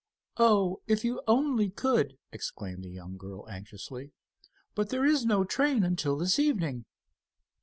"Oh, if you only could!" exclaimed the young girl, anxiously. "But there is no train until this evening."